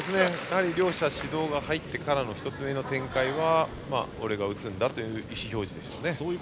両者、指導が入ってからの１つ目の展開は俺が打つという意思表示でした。